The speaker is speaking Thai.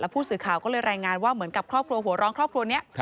ผู้สื่อข่าวก็เลยรายงานว่าเหมือนกับครอบครัวหัวร้อนครอบครัวนี้